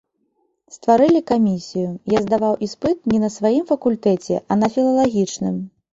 Стварылі камісію, я здаваў іспыт не на сваім факультэце, а на філалагічным.